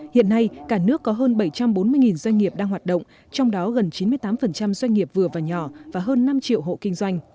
hiện nay cả nước có hơn bảy trăm bốn mươi doanh nghiệp đang hoạt động trong đó gần chín mươi tám doanh nghiệp vừa và nhỏ và hơn năm triệu hộ kinh doanh